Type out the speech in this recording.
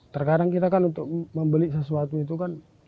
terkadang kita kan untuk membeli sesuatu itu kan